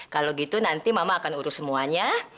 kalau gitu nanti mama akan urus semuanya